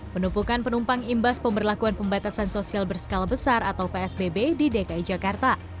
penumpukan penumpang imbas pemberlakuan pembatasan sosial berskala besar atau psbb di dki jakarta